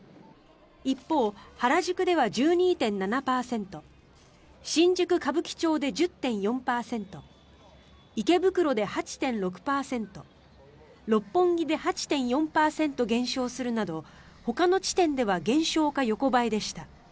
一方、原宿では１２．７％新宿・歌舞伎町で１０．４％池袋で８．６％六本木で８．４％減少するなどほかの地点では減少か横ばいでした。